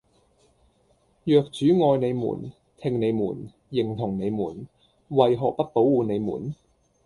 若主愛你們，聽你們，認同你們，為何不保護你們？